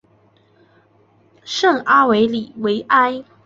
圣阿维里维埃。